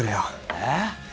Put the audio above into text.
えっ？